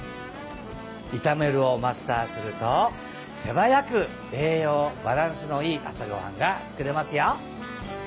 「いためる」をマスターすると手早く栄養バランスのいい朝ごはんが作れますよ！